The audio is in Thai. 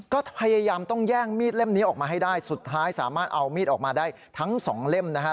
ก็พยายามต้องแย่งมีดเล่มนี้ออกมาให้ได้สุดท้ายสามารถเอามีดออกมาได้ทั้งสองเล่มนะฮะ